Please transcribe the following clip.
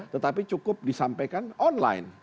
tetapi cukup disampaikan online